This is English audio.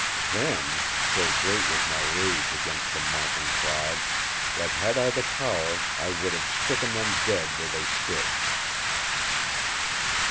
Then, so great was my rage against the mocking crowd that had I the power I would have stricken them dead where they stood.